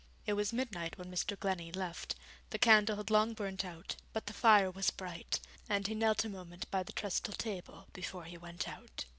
It was midnight when Mr. Glennie left. The candle had long burnt out, but the fire was bright, and he knelt a moment by the trestle table before he went out.